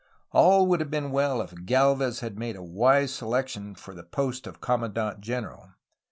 All would have been well if Galvez had made a wise selection for the post of commandant general.